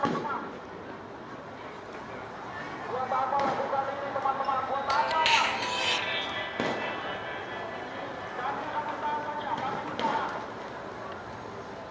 kami menangkap dua ratus lima puluh tujuh orang yang tersangka terkacau